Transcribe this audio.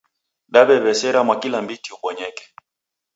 Daw'ew'esera mwakilambiti ubonyeke